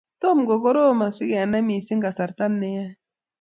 Tom kokoroom asi kenai missing kasarta ne eei.